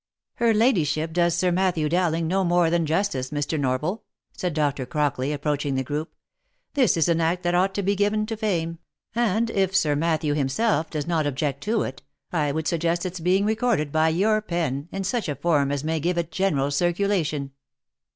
" Her ladyship does Sir Matthew Dowling no more than justice Mr. Norval," said Doctor Crockley approaching the group. " This is an act that ought to be given to fame, and, if Sir Matthew him self does not object to it, I would suggest its being recorded by your pen, in such a form as may give it general circulation.